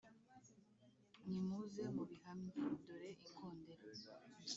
nimuze mubihamye; dore ikondera